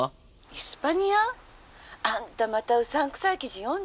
「イスパニア？あんたまたうさんくさい記事読んでるの？」。